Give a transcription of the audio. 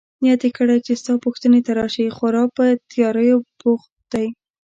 نیت يې کړی چي ستا پوښتنې ته راشي، خورا په تیاریو بوخت دی.